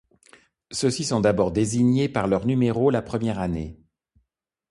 Ceux-ci sont d'abord désignés par leur numéro la première année.